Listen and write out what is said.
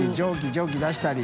蒸気出したり。